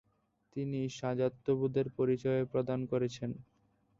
তিনি স্বাজাত্যবোধের পরিচয় প্রদান করেছেন।